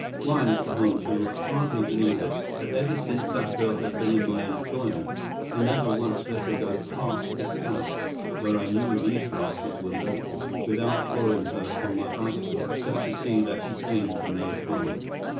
Why, Mr. Holmes, you'll hardly believe it, but ever since that girl has been in my employment I never once let her go past this house, where I knew these rascals were lurking, without following her on my bicycle just to see that she came to no harm.